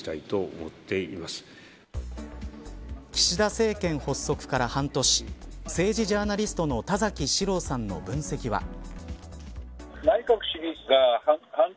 岸田政権発足から半年政治ジャーナリストの田崎史郎さんの分析は。